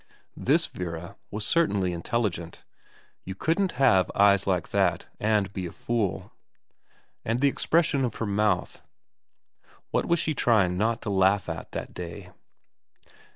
This Vera was certainly intelligent. You couldn't have eyes like that and be a fool. And the expression of her mouth, what had she been trying not to laugh at that day